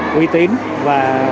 quy tín và